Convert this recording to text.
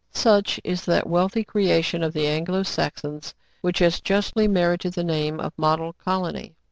Such is that wealthy creation of the Anglo Saxons, which has justly merited the name of " Model Colony.